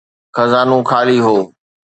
خزانو خالي هو.